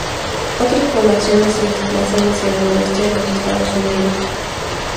Otras poblaciones se desplazan hacia el noreste de los Estados Unidos.